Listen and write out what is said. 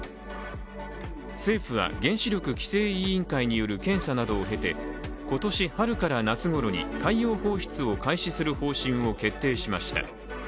政府は原子力規制委員会による検査などを経て今年春から夏ごろに海洋放出を開始する方針を決定しました。